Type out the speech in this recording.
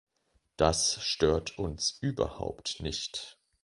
Das stört uns überhaupt nicht.